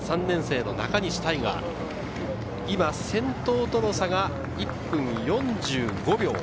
３年生の中西大翔、先頭との差が１分４５秒。